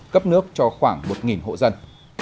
cấp nước cho khoảng một hộ dân